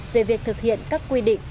về việc thực hiện các quy định